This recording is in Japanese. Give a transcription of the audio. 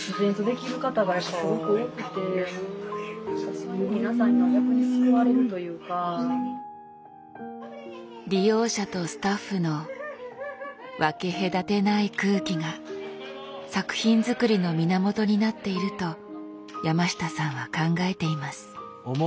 そういうのとかも何と言うか利用者とスタッフの分け隔てない空気が作品作りの源になっていると山下さんは考えています。